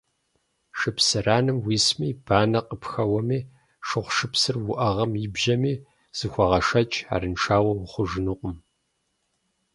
Шыпсыранэм уисми, банэ къыпхэуэми, шыгъушыпсыр уӏэгъэм ибжьэми, зыхуэгъэшэч, арыншауэ ухъужынукъым.